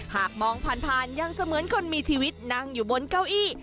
หากมองผ่านยังเสมือนคนมีชีวิตนั่งอยู่บนเก้าอี้